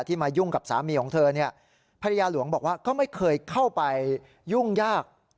มายุ่งกับสามีของเธอเนี่ยภรรยาหลวงบอกว่าก็ไม่เคยเข้าไปยุ่งยาก